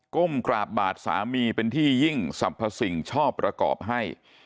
้มกราบบาดสามีเป็นที่ยิ่งสรรพสิ่งชอบประกอบให้